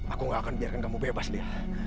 aku gak akan biarkan kamu bebas deh